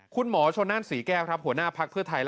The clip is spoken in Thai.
คุณหมอชนนั่นศรีแก้วครับหัวหน้าภักดิ์เพื่อไทย